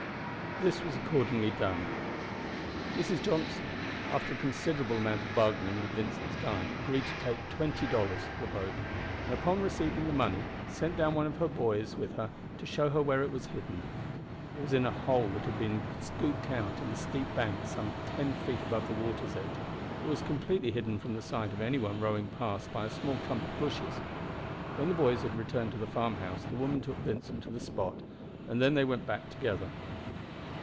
This was accordingly done. Mrs. Johnson, after a considerable amount of bargaining with Vincent's guide, agreed to take twenty dollars for the boat, and upon receiving the money sent down one of her boys with her to show her where it was hidden. It was in a hole that had been scooped out in the steep bank some ten foot above the water's edge, and was completely hidden from the sight of any one rowing past by a small clump of bushes. When the boys had returned to the farmhouse the woman took Vincent to the spot, and they then went back together.